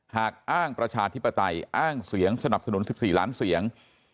หากอ้างประชาธิปไตยอ้างเสียงสนับสนุน๑๔ล้านเสียง